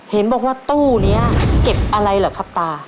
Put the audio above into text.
เห็นบอกว่าตู้นี้เก็บอะไรเหรอครับตา